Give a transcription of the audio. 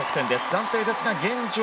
暫定ですが現状